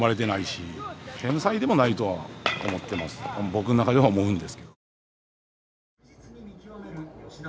僕の中では思うんですけど。